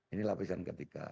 ini lapisan ke tiga